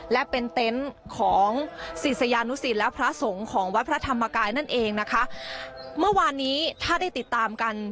และเป็นเต็นต์ของศิษยานุสิตและพระสงฆ์ของวัดพระธรรมกายนั่นเองนะคะเมื่อวานนี้ถ้าได้ติดตามกัน